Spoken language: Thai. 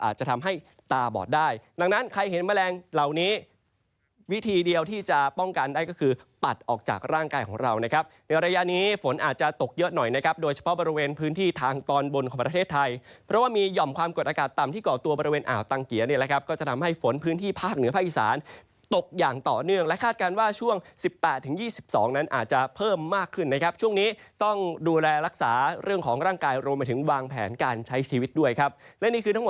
อาจจะทำให้ตาบอดได้ดังนั้นใครเห็นแมลงเหล่านี้วิธีเดียวที่จะป้องกันได้ก็คือปัดออกจากร่างกายของเราในระยะนี้ฝนอาจจะตกเยอะหน่อยโดยเฉพาะบริเวณพื้นที่ทางตอนบนของประเทศไทยโดยเฉพาะบริเวณพื้นที่ทางตอนบนของประเทศไทยโดยเฉพาะบริเวณพื้นที่ทางตอนบนของประเทศไทยโดยเฉพาะ